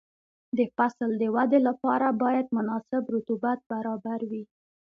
د فصل د ودې لپاره باید مناسب رطوبت برابر وي.